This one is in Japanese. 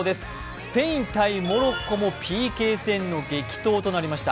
スペイン×モロッコもＰＫ戦の激闘となりました。